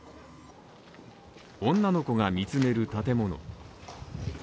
女の子が見つめる建物